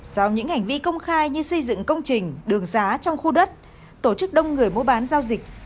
sau những hành vi công khai như xây dựng công trình đường xá trong khu đất tổ chức đông người mua bán giao dịch